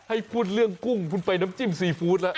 ให้พูดเรื่องกุ้งคุณไปน้ำจิ้มซีฟู้ดแล้ว